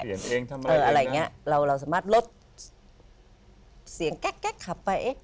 เปลี่ยนเองทำอะไรเอออะไรอย่างเงี้ยเราเราสามารถรถเสียงแก๊กแก๊กขับไป